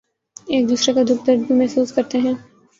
ایک دوسرے کا دکھ درد بھی محسوس کرتے ہیں